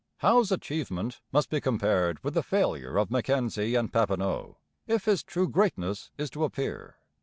Howe's achievement must be compared with the failure of Mackenzie and Papineau, if his true greatness is to appear.